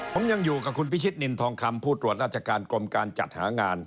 ผมยังอยู่กับคุณพิชิตนินทองคำผู้ตรวจราชการกรมการจัดหางาน